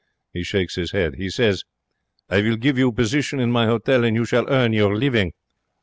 He shakes his head. He say, 'I will give you position in my hotel, and you shall earn your living.'